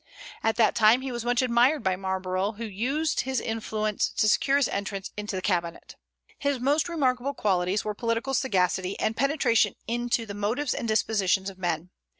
At that time he was much admired by Marlborough, who used his influence to secure his entrance into the cabinet. His most remarkable qualities were political sagacity, and penetration into the motives and dispositions of men.